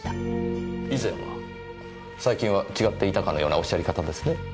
最近は違っていたかのようなおっしゃり方ですね？